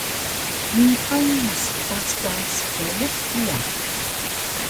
Niqan maspac ka spriq hiya